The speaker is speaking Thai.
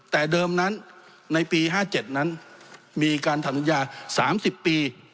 แต่เดิมนั้นในปี๕๗นั้นมีการทำสัญญา๓๐ปี